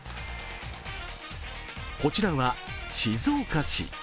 こちらは静岡市。